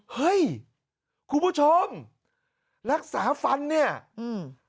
เฮ้ยคุณผู้ชมรักษาฟันเนี้ยอืม